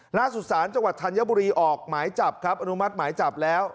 ล่าสุดศาลจังหวัดธัญบุรีออกหมายจับครับอนุมัติหมายจับแล้ว